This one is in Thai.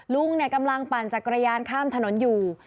ลุงกำลังปั่นจักรยานข้ามถนนอยู่